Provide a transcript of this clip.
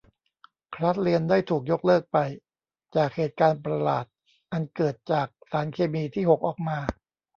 คลาสเรียนได้ถูกยกเลิกไป จากเหตุการณ์ประหลาดอันเกิดจากสารเคมีที่หกออกมา